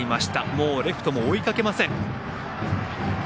もうレフトも追いかけません。